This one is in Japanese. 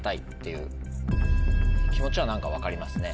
いう気持ちは何か分かりますね。